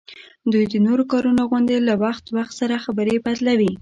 دوی د نورو کارونو غوندي له وخت وخت سره خبره بدلوي